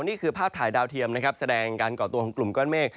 นี่คือภาพถ่ายดาวเทียมนะครับแสดงการก่อตัวของกลุ่มก้อนเมฆ